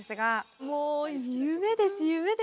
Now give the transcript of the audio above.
もう夢です夢です。